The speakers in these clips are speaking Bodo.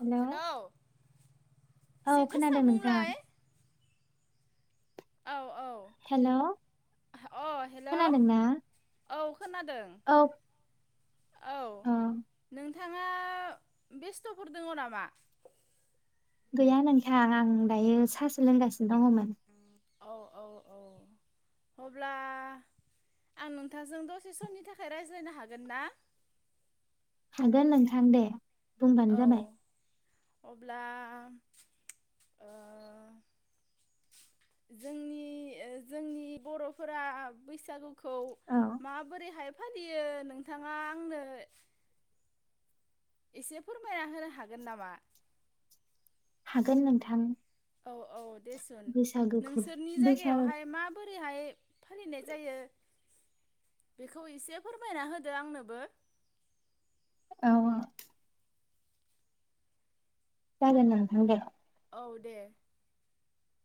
हेलौ औ एसे गोसा खोनादों नोंथां। बुंलाय औ औ हेलौ अ हेलौ खोनादोंना? औ खोनादों। औ औ नोंथाङा बेस्थ'फोर दोङ नामा? गैया नोंथां आं दायो सास सो लोंगासिनो दङमोन। औ औ औ अब्ला आं नोंथाजों दसे समनि थाखाय रायज्लायनो हागोन ना? हागोन नोंथां दे बुंबानो औ जाबाय। अब्ला ओ जोंनि ओ जोंनि बर'फोरा बैसागुखौ औ माबोरैहाय फालियो नोंथाङा आंनो एसे फोरमायना होनो हागोन नामा? हागोन नोंथां। औ औ दे सुन बैसागोखौ नोंसोरनि बैसागो जायगायावहाय माबोरैहाय फालिनाय जायो बेखौ इसे फोरमायना होदो आंनोबो। औ आ जागोन नोंथां दे। औ दे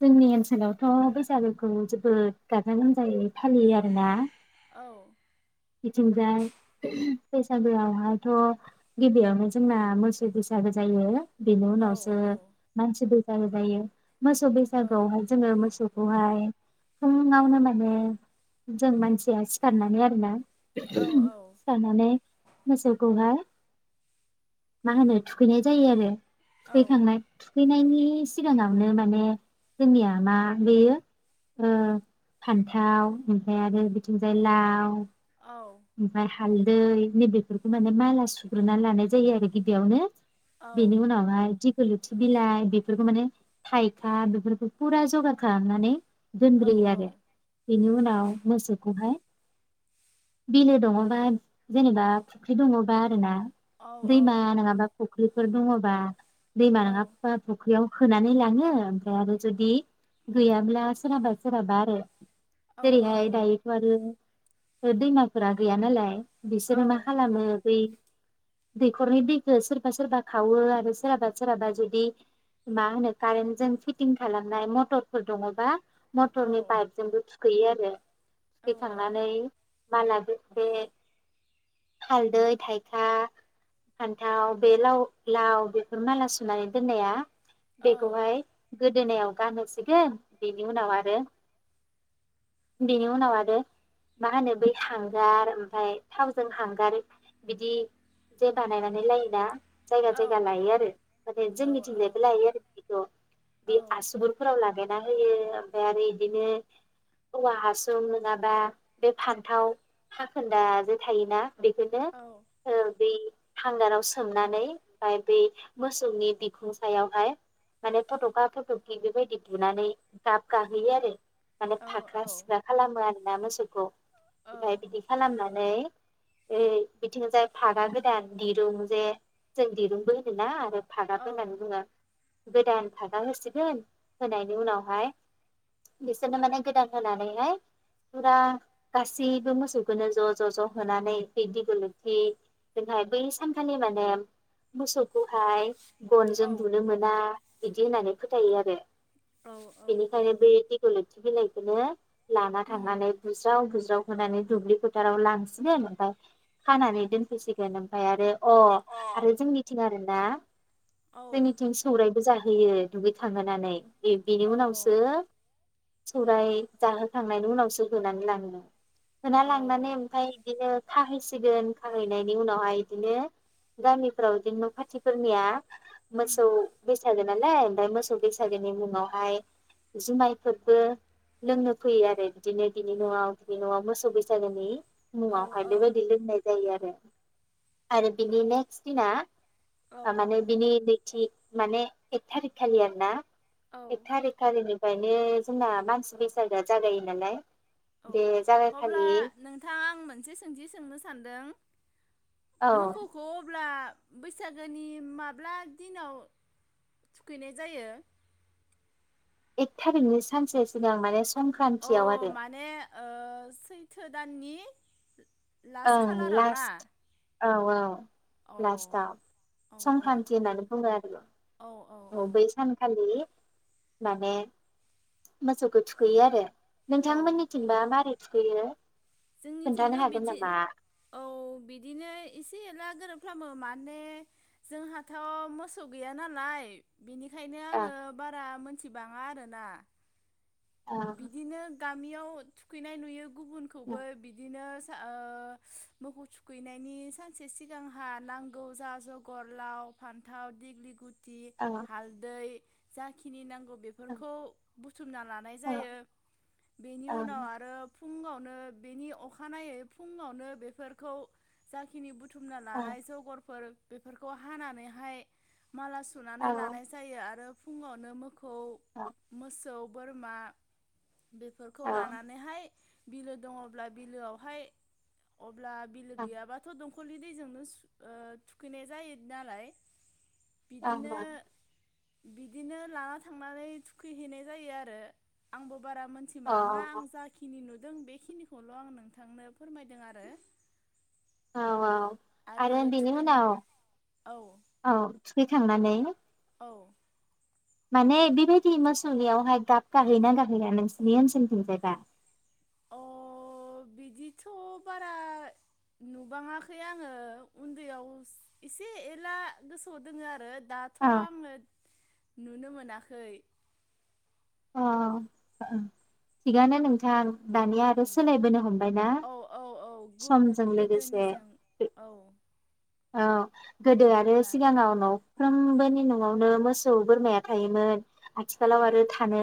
जोंनि ओनसोलावथ' बैसागोखौ जोबोद गाजा गोमजायै फालियो आरोना। औ बिथिंजाय बैसागोआवहायथ' गिबियावनो जोंना मोसौ बैसागो जायो। बेनि औ उनावसो औ मानसि बै औ जायो मोसौ औ बैसागोआवहाय जोङो मोसौखौहाय फुङावनो माने जों मानसिया सिखारनानै आरोना औ सिखारनानै मोसौखौहाय मा होनो थुखैनाय जायो आरो। औ थुखैखांनाय थुखैनायनि सिगाङावनो माने जोंनिया मा बेयो फान्थाव ओमफ्राय आरो बिथिंजाय लाव औ ओमफ्राय हालदै नैबेफोरखौ माने माला सुग्रोना लानाय जायो आरो गिबियावनो। औ बेनि उनावहाय गोलुथि बिलाइ बेफोरखौ माने थाइखा बेफोरखौ फुरा जगार खालामनानै औ दोनग्रोयो आरो बेनि उनावहाय उनाव मोसौखौहाय बिलो दङबा जेनेबा फुख्रि दङबा आरो ना औ दैैमा नङाबा फख्रिफोर दङबा दैमा औ नङाबा फख्रिआव होनानै लाङो ओमफ्राय आरो जुदि गैयाब्ला सोरहाबा सोरहाबा आरो। औ जेरैहाय दायोथ' आरो दैमाफोरा गैयानालाय। बिसोरो मा खालामो बै दैखरनि दैखौ सोरबा सोरबा खावो आरो सोरहाबा सोरहाबा जुदि मा होनो कारेन्टजों फिटिं खालामनाय मटरफोर दङबा। मटरनि पाइप जोंबो थुखोयो आरो। औ थुखै खांनानै माला बे हालदै थाइखा फान्थाव बे लाव लाव बेफोर माला सुनानै दोननाया बेखौहाय गोदोनायाव गानहोसिगोन बेनि उनाव आरो बेनि उनाव आरो मा होनो बै हांगार ओमफफ्राय थावजों हांगार बिदि जे बानायनानै लायोना। जायगा जायगा लायो आरो माने जोंनि थिंजायबो लायो आरो बेखौ बे आसुगुरफोराव लागोन ना होयो ओमफ्राय आरो बिदिनो औवा हासुं नङाबा बे फान फान्थाव हाखोन्दाजों थायो ना। बिदिनो बे हांगाराव सोमनानै ओमफ्राय बै मोसौनि बिखुं सायावहाय माने फटखा फटखि बेबायदि बुनानै गाब गाहोयो आरो। माने फाख्रा सिख्रा खालामो आरो। लाम मोसौखौ ओमफ्राय बिदि खालामनानै बिथिंजाय फागा गोदान दिरुं जे जों दिरुंबो होनो ना आरो फागाबो होननानै बुङो। गोदान फागा होसिगोन होनायनि उनावहाय बिसोरनो माने गोदान होनानैहाय फुरा गाससि बो मोसौखौनो ज ज ज होनानै बिदि दिगलथि जोंहाय बै सानखालि माने मोसौखौहाय गनजों औ बुनो मोना बिदि होननानै फोथायो आरो बेनिखायनो बे दिग लथि बिलायखोनो लाना उम थांनानै बुज्राव बुज होनानै दुब्लि फोथाराव लांसिगोन ओमफ्राय खानानै दोनफैसिगोन ओमफ्राय आरो अ आरो जोंनिथि आरो ना जोंनिथिं सौराय बो जाहोयो दुगै खांहोनानै बि बिनि औ उनावसो अ सौराय जाहोखांनायनि उनावसो होनानै लाङो होना औ लांनानै ओमफ्राय बिदिनो खाहैसिगोन खाहैनायनि उनावहाय बिदिनो गामिफ्राव बिदिनो न खाथिफोरनिया मोसौ बैसागो नालाय ओमफ्राय मोसौ बैसागोनि उनावहाय जुमायफोरबो लोंनो फैयो आरो बिदिनो बिनि नआव बे नआ मोसौ बैसागोनि औ मुङावहाय बेबायदि औ लोंनाय जायो आरो आरो बिनि नेक्स दिना माने बिनि माने एथारिक खालि ना औ एकथारिख खालिनि ओंखायनो जोंना मानसि बैसागोआ जागायो नालाय औ बे अब्ला जागायखालि नोंथाङा आं मोनसे सोंथि सोंनो सानदों औ मोखौखौ अब्ला बैसागोनि माब्ला दिनाव थुखैनाय जायो एकथारिकनि सानसे सिगां माने अ संक्रान्तियाव आरो माने ओ सैथो थो दाननि लास्ट ओं खालाराव ना? लास्ट औ औ अ लास्टाव औ औ संक्रान्ति होननानै बुङो आरो औ बै सानखालि माने मोसौखौ थुखैयो आरो औ नोंथांमोननिथिनबा मारै थुखैयो? खोन्थानो जोंनिथिंबो हागोन बिदि नामा औ बिदिनो एसे एनला गोरोबफ्रोमो माने जोंहाथ' मोसौ गैया नालाय। बेनिखायनो ओ आङो बारा मोन मिथिबाङा आरोना। बिदिनो गामियाव थुखैनाय नुयो गुबुनखौबो बिदिनो ओ मोखौ थुखैनायनि सानसे सिगांहा नांगौ जा जगर लाव फान्थाव दिग्लि गु थि ओ हालदै जाखिनि नांगौ बेफोरखौ बुथुमना लानाय ओ जायो बेनि उनाव आरो फुङावनो बेनि अखानायै फुङावनो बेफोरखौ जाखिनि बु बुथुमना ओ लानाय जगरफोर बेफोरखौ हानानैहाय माला सुनानै औ लानाय जायो आरो फुङावनो मो खौ मोसौ बोरमा बेफोरखौ औ लानानैहाय बिलो दङब्ला बिलोआवहाय ब्ला बिलो औ गैाबाथ' दं फुख्लिनि दैजोंनो थुखैनाय जायो नालाय। बिदिनो औ बिदिनो लाना थांनानै थुखैहैनाय जायो आरो आंबो बारा मोनथि मोना नङा औ आं जाखिनि जों बेखिनिखौल' आं नोंथांनो फोरमायदों आरो औ औ आरो बेनि उनाव औ औ थुखैखांनानै औ माने बेबायदि मोसौनियावहाय गाब गाहैयोना गाहैना नोंसोरनि ओनसोलथिंजायबा अ बिदिथ' बारा नुबाङाखै आङो उन्दैयाव एसे एला गोसोआव दोङो आरो दाथ' अ आङो नुनो मोनाखै अ थिगानो नोंथां दानिया आरो उम सोलायबोनो हमबायना औ औ औ समजों लोगोसे। गोदोनिजों औ अ गोदो आरो अब्ला सिगांआव न साफ्रोमबोनि न'आवनो मोसौ बोरमाया थायोमोन। औ आथिखालाव आरो थानो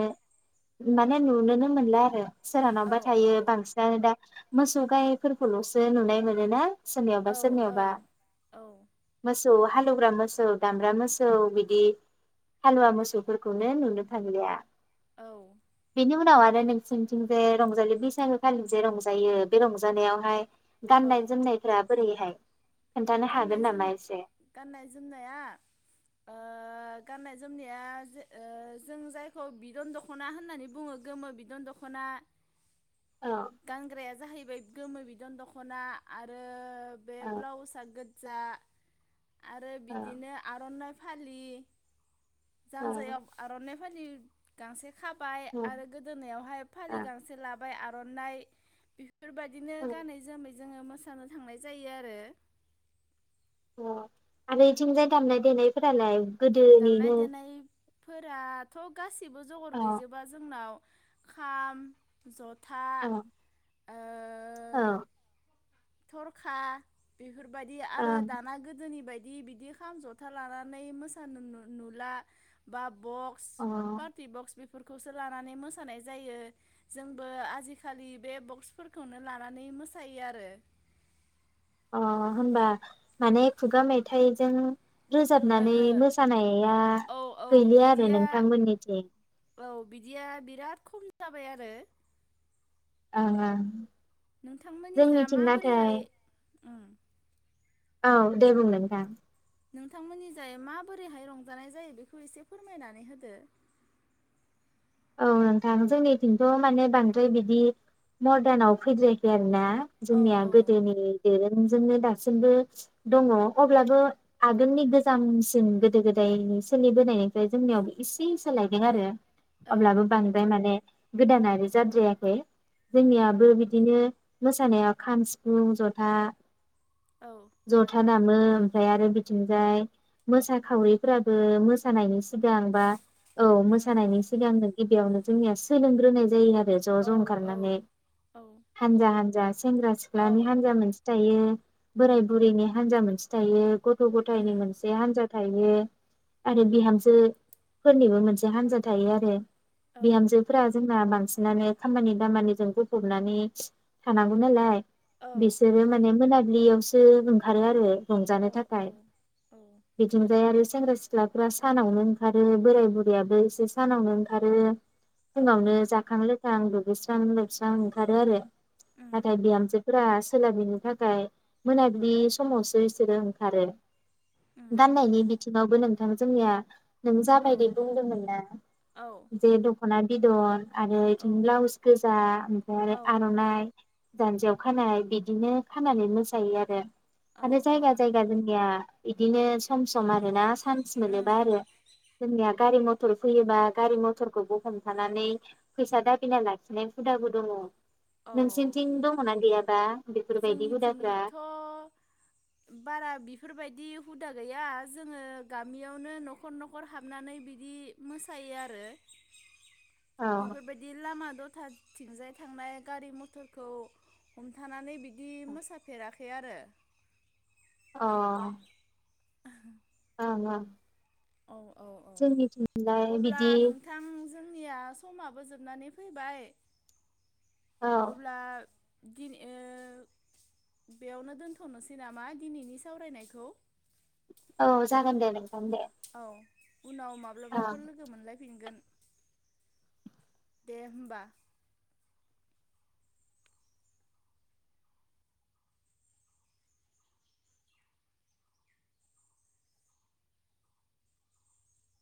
माने नुनोनो मोनला आरो सोरहानावा औ थायो औ बांसिनानो दा। मोसौ गायफोरखौल'सो नुनाय मोनो ना। सोरनियावबा औ सोरनियावबा। औ औ मोसौ मोसौ हालौवग्रा मोसौ दामब्रा मोसौ बिदि हालुवा मोसौफोरखौनो नुनो थांलिया। औ बिनि उनाव आ नोंसनिथिं जे रंजालि बैसागो खालि जे रंजायो बे रंजानायावहाय औ गाननाय जोमनायफ्रा बोरैहाय खोन्थानो हागोन गाननाय जोम नामा एसे गाननाय जोमनाया ओ गाननाय जोमनाया जों जायखौ बिदन दख'ना होननानै बुङो गोमो बिदन दख'ना आरो गानग्राया जाहैबाय गोमो बिदन दख'ना आरो। बे ब्लावसा गोजा आरो बिदिनो आर'नाइ फालि जानजायाव आर'ननाइ। [unintelligible] खाबाय आरो गोदोनायावहाय फालि गांसे लाबाय। बाय आर'नाइ बेफोरबायदिनो गानै जोमै जोङो मोसानो थांनाय जायो आरो। अ आरो एथिंजाय दामनाय देनायफोरालाय दामनाय गोदोनिनो देनायफोराथ' गासिबो जगार औ गैजोबा जोंनाव खाम जथा अ ओ औ थरखा बि फोरबायदि अ आरो दाना गोदोनि बाय दि बिदि खाम जथा लानानै मोस आ नु-नु-नुला बा बक्स अ पारटि बक्स बि फोरखौसो लानानै मोसानाय जायो जोंबो आजिखालि बे बक्सफोरखौनो लानानै मोसायो आरो। अ होनबा माने खुगा मेथाइजों रोजाबनानै ओहो मोसानाया औ औ गैलिया आरो बिदिया नोंथांमोननिथिं। औ बिदिया बिराद खम जाबाय आरो। आं आं नोंथांमोननि जा माबोरैहाय उम औ दे बुंलाय नोंथां। नोंथांमोननि जाय माबोरैहाय रंजानाय जायो बेखौ एसे फोरमायनानै होदो। औ नोंथां जोंनिथिंथ' माने बांद्राय बिदि मरदानाव फैद्रायाखै आरो ना। औ जोंनिया औ गोदोनि दोरों जोंनो दासिमबो दङ अब्लाबो आगोलनि गोजामसिन गोदो गोदायनि सोलिबोनायनिफ्राय जोंनियाव इसे सोलायदों आरो। औ अब्लाबो बांद्राय माने गोदानारि जाद्रायाखै उम जोंनियाबो बिदिनो मोसानायाव खाम सिफुं जथा औ जथा दा मो ओमफ्राय आरो बिथिंजाय मोसाखावरिफोराबो मोसानायनि सि सिगां बा औ उम मोसानायनि सि [unintelligible] गिबियावनो जोंनिया सोलोंग्रोनाय जायो आ रो ज' औ ज' औ ओंखारनानै औ हानजा हानजा। सेंग्रा औ सिख्लानि हान्जा मोनस थायो बोराय बुरैनि हान्जा मोनसे थायो गथ थ' गथायनि उम मोनसे हान्जा थायो आरो बिहामजो फोरनिबो मोनसे हान्जा थायो आ रो औ बिहामजोफोरा जों ना बांसिनानो खामानि दामानिजों बुंफबनानै थानांगौ नालाय औ बिसोरो माने मोना दुब्लियावसो ओंखारो आरो औ रंजानो थाखाय बिथिंजायारि सेंग्रा सिख्लाफ्रा सानावनो ओंखारो बोराय बुरैयाबो एसे सानावनो ओंथखारो औ फुंआवनो जाखां लोंखां स्रां दुगैस्रां लोब सान ओंखारो आरो उम नाथाय बिहामजोफोरा सोलाबनो थाखाय मोनाबिलि समावसो बिसोरो ओंखारो उम दाननायनि बिथिंअवबो नों था जोंना नों औ जाबायदि बुंदोंमोन ना औ जे द दखमा बिदन आरो बिदिनो औ ब्लाउस गोजा ओमफ्राय औ आरो आर'नाइ जान्जियाव खानाय बिदिनो खानानै मोसायो आरो औ आरो जायगा उम जायगा जोंनिया बिदिनो सम सम आरो ना चान्स मोनोबा आरो जोंनि गारि मथर फैयोबा गारि मथरखौ ब हमथानानै फैसा दाबिना लाखिनाय हुदाबो दङ औ नोंसिनिथिं दङना गैयाबा बेफोरबायदि हुदाफ्रा जोंनिथिंथ' बारा बेफोरबायदि बिदि हुदा गैया जोङो गामियावनो न'खर न'खर हाबनानै बिदि मोसायो आरो अ बेफोरबायदि लामा दथाथिंजाय थांनाय गारि मथरखौ थानानै बिदि मोसाफेराखै आरो अ [inaudible] थाङा औ औ औ जोंनि थिंलाय बिदि आंनिया समाबो जोबनानै फैबाय औ अब्ला दिनै ओ बेयावनो दोनथ'नोसै नामा दिनैनि सावरायनायखौ औ जागोन दे नोंथां दे औ उनाव औ माब्लाबाफोर लोगो मोनलाय फिनगोन दे होमबा